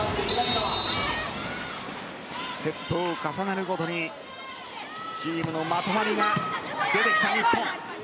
セットを重ねるごとにチームのまとまりが出てきた日本。